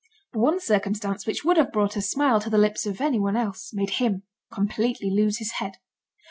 One circumstance, which would have brought a smile to the lips of anyone else, made him completely lose his head.